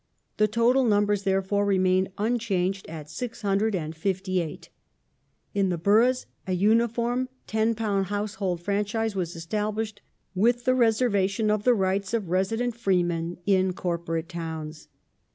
The total numbers therefore remained unchanged at 658. In the boroughs a uniform £10 household franchise was established, with the reservation of the rights of resident freemen in corporate towns.